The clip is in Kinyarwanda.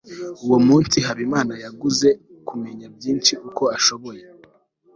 uwo munsi, habimana yaguze kamera nyinshi uko ashoboye